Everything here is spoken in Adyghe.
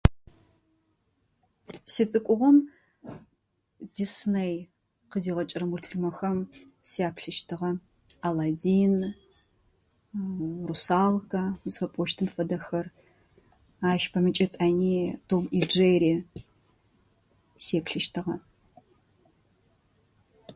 Сицӏыкӏугъэм «Дисней» къыдигъэкӏырэ мультфильмэхэм сяплъыщтыгъэ. «Алладин», «Русалка» зыфэпӏощтым фэдэхэр. Ащ пэмкӏэ ытӏани «Том и Джерри» сеплъыщтыгъэ.